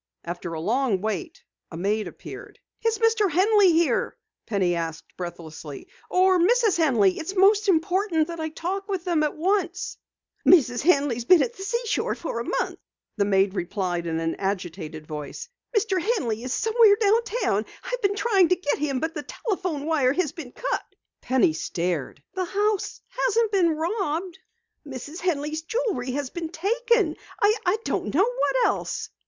After a long wait, a maid appeared. "Is Mr. Henley here?" Penny asked breathlessly. "Or Mrs. Henley? It's most important that I talk with them at once." "Mrs. Henley has been at the seashore for a month," the maid replied in an agitated voice. "Mr. Henley is somewhere downtown. I've been trying to get him, but the telephone wire has been cut!" "The house hasn't been robbed?" "Mrs. Henley's jewelry has been taken! I don't know what else."